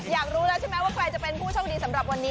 อยากรู้แล้วใช่ไหมว่าใครจะเป็นผู้โชคดีสำหรับวันนี้